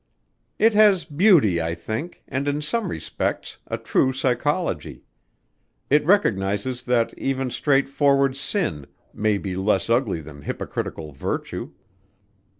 "It has beauty, I think, and in some respects a true psychology. It recognizes that even straight forward sin may be less ugly than hypocritical virtue."